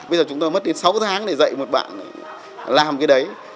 bây giờ chúng tôi mất đến sáu tháng để dạy một bạn làm cái đấy